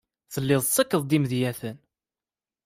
Telliḍ tettakfeḍ-d imedyaten.